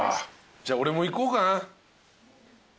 じゃあ俺もいこうかな。